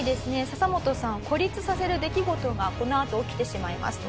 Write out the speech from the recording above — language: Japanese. ササモトさんを孤立させる出来事がこのあと起きてしまいます。